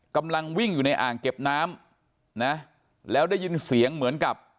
กำลังวิ่งอยู่ในอ่างเก็บน้ำนะแล้วได้ยินเสียงเหมือนกับ